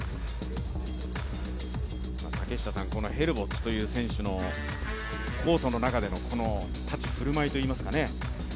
このヘルボッツという選手のコートの中での立ち居振る舞いといいますか。